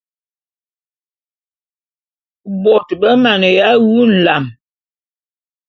Bôt be maneya wu nlam.